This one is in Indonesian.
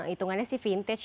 itungannya seperti apa